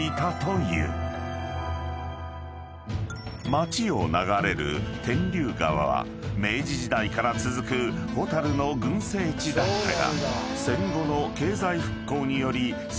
［町を流れる天竜川は明治時代から続くホタルの群生地だったが］